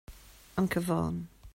An Cabhán